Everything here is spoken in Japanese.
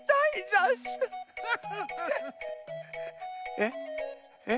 えっ？えっ？